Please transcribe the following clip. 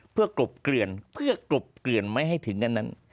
เพื่อกลบเกลื่อนไม่ให้ถึงกันนั้น